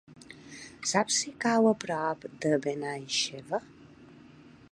Saps si cau a prop de Benaixeve?